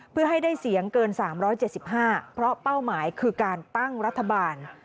เพื่อให้ได้เสียงเกิน๓๗๕เพราะเป้าหมายคือการตั้งรัฐบาล